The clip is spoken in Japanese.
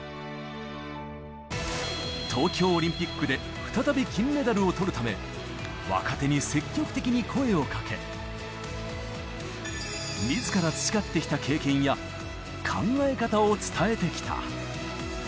東京オリンピックで再び金メダルをとるため、若手に積極的に声をかけ、みずから培ってきた経験や考え方を伝えてきた。